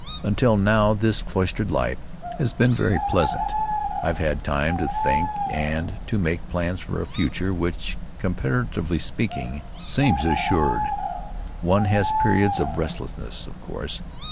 Until now this cloistered life has been very pleasant. I've had time to think and to make plans for a future which, comparatively speaking, seems assured. One has periods of restlessness, of course.